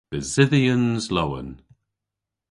Besydhyans Lowen.